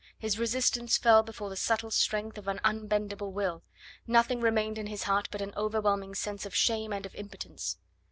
His resistance fell before the subtle strength of an unbendable will; nothing remained in his heart but an overwhelming sense of shame and of impotence.